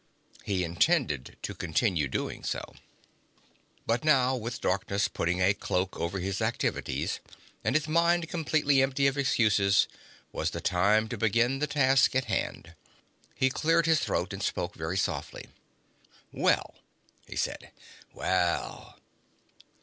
He intended to continue doing so. But now, with darkness putting a cloak over his activities, and his mind completely empty of excuses, was the time to begin the task at hand. He cleared his throat and spoke very softly. "Well," he said. "Well."